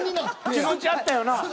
気持ちあったよな。